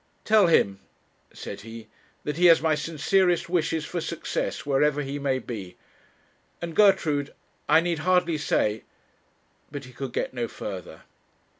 'Tell him,' said he, 'that he has my sincerest wishes for success wherever he may be; and Gertrude, I need hardly say ' but he could get no further.